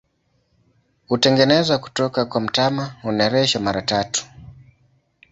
Hutengenezwa kutoka kwa mtama, hunereshwa mara tatu.